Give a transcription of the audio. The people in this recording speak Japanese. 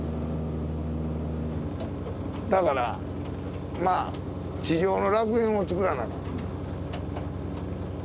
だからまあ地上の楽園をつくらなあかん。